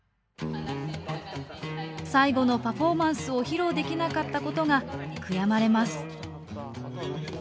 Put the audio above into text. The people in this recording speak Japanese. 最後のパフォーマンスを披露できなかったことが悔やまれます。